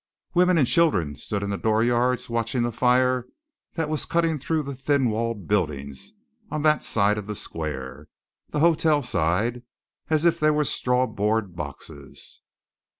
Women and children stood in the dooryards watching the fire that was cutting through the thin walled buildings on that side of the square the hotel side as if they were strawboard boxes.